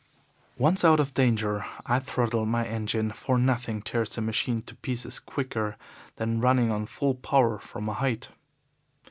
"Once out of danger I throttled my engine, for nothing tears a machine to pieces quicker than running on full power from a height.